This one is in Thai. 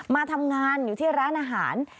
มาทำงานอยู่ที่ร้านอาหาร